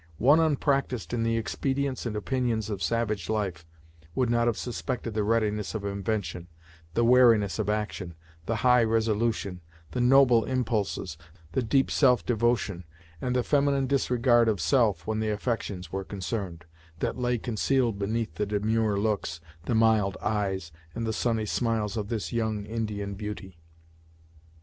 One unpracticed in the expedients and opinions of savage life would not have suspected the readiness of invention, the wariness of action, the high resolution, the noble impulses, the deep self devotion, and the feminine disregard of self when the affections were concerned, that lay concealed beneath the demure looks, the mild eyes, and the sunny smiles of this young Indian beauty.